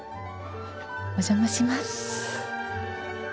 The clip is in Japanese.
お邪魔します。